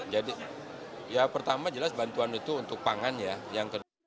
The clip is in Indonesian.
jadi ya pertama jelas bantuan itu untuk pangan ya